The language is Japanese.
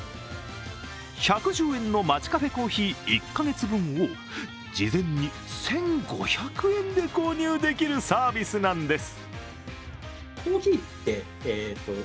１１０円のマチカフェコーヒー１か月分を事前に１５００円で購入できるサービスなんです。